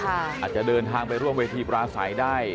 อาจจะเดินทางไปร่วมเวทีปราศัยได้